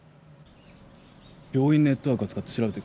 病院ネットワークを使って調べてくれ。